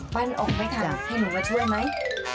ปั้นออกไม่ถันเห็นหนูมาช่วยไหม